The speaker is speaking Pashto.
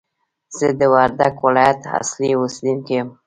زه د وردګ ولایت اصلي اوسېدونکی یم!